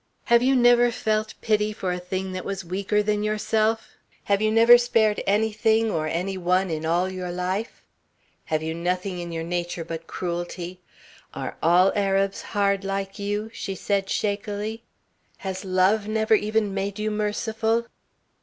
"Have you never felt pity for a thing that was weaker than yourself? Have you never spared anything or any one in all your life? Have you nothing in your nature but cruelty? Are all Arabs hard like you?" she said shakily. "Has love never even made you merciful?"